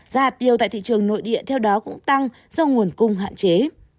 giá hạt tiêu tại thị trường nội địa theo đó cũng tăng do nguồn cung hạn chế